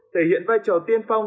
thể hiện vai trò tiên phong